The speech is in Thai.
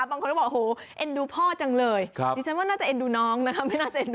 บางคนก็บอกโหเอ็นดูพ่อจังเลยครับดิฉันว่าน่าจะเอ็นดูน้องนะคะ